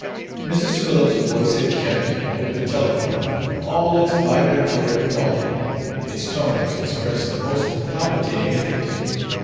Mrs. Phillips' voice had kept, over the telephone, all its vibratory quality; its tones expressed the most palpitating interest.